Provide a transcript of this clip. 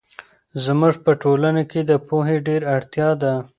زموږ په ټولنه کې د پوهې ډېر اړتیا ده.